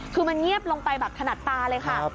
คือมันเงียบลงไปแบบถนัดตาเลยค่ะ